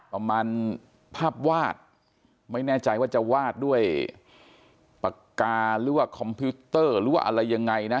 ประมาณภาพวาดไม่แน่ใจว่าจะวาดด้วยปากกาหรือว่าคอมพิวเตอร์หรือว่าอะไรยังไงนะ